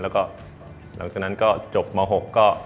แล้วก็หลังจากนั้นก็จบม๖ก็